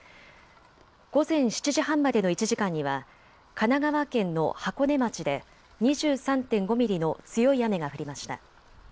午前７時半までの１時間には神奈川県の箱根町で２３．５ミリの強い雨が降りました。